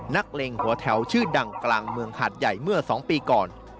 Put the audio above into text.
เล็งหัวแถวชื่อดังกลางเมืองหาดใหญ่เมื่อ๒ปีก่อน